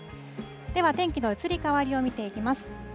では、天気の移り変わりを見ていきます。